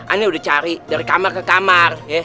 aneh udah cari dari kamar ke kamar